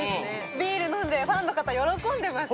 ビール飲んで、ファンの方喜んでいますよ。